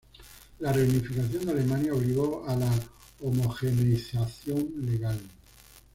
La reunificación de Alemania obligó a la homogeneización legal.